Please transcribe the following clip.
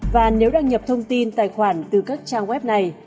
và nếu đăng nhập thông tin tài khoản từ các trang web này